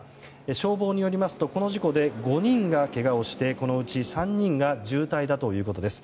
消防によりますとこの事故で５人がけがをしてこのうち３人が重体だということです。